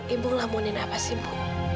ibu ngelamunin apa sih ibu